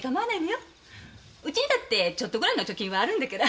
ウチにだってちょっとぐらいの貯金はあるんだから。